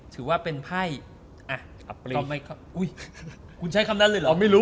ถือว่าเป็นไพ่อ่ะอัปริอุ้ยคุณใช้คำนั้นเลยเหรอเอาไม่รู้